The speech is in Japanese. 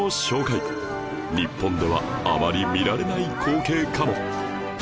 日本ではあまり見られない光景かも